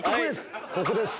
ここです！